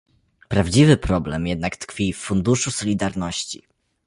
Prawdziwy problem jednak tkwi w Funduszu Solidarności